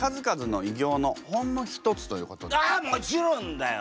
ああもちろんだよ！